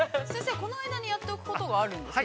この間にやっておくことがあるんですよね。